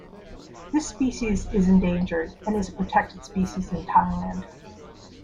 This species is endangered and is a protected species in Thailand.